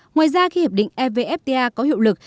ngoài ra khi hiệp định evfta có hiệu lực